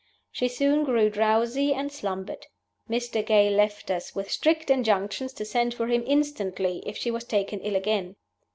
She soon grew drowsy and slumbered. Mr. Gale left us, with strict injunctions to send for him instantly if she was taken ill again.